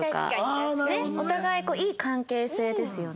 なるほどね。お互いいい関係性ですよね。